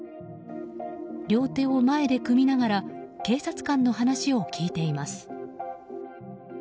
両手を前で組みながら警察官の話を聞いています。